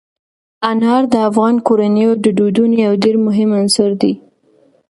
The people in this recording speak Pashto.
انار د افغان کورنیو د دودونو یو ډېر مهم عنصر دی.